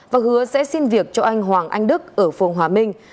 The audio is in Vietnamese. và hứa sẽ xin việc cho anh hoàng anh đức ở phường hòa minh